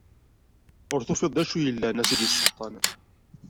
Ur tufiḍ d acu yellan a sidi Selṭan.